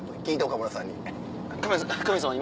岡村さん。